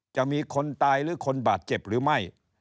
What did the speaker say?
จะมีคนตายหรือคนบาดเจ็บหรือไม่